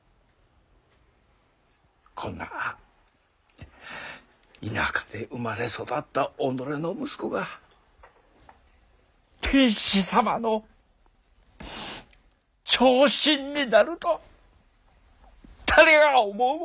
こんな田舎で生まれ育った己の息子が天子様の朝臣になると誰が思うもんか。